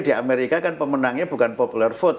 di amerika kan pemenangnya bukan popular vote